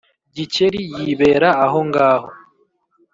Gikeli yibera ahongaho,